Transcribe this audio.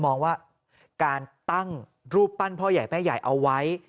มองว่าการตั้งรูปปั้นพ่อใหญ่แม่ใหญ่เอาไว้